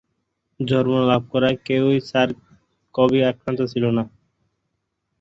জন্মলাভ করা কেউই সার্স-কভি আক্রান্ত ছিল না।